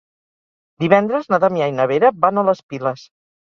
Divendres na Damià i na Vera van a les Piles.